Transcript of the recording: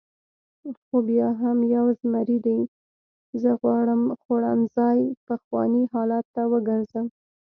خو بیا هم یو زمري دی، زه غواړم خوړنځای پخواني حالت ته وګرځوم.